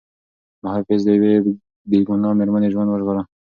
محافظ د یوې بې ګناه مېرمنې ژوند وژغوره.